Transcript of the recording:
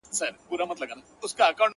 جهاني تا چي به یې شپې په کیسو سپینې کړلې.!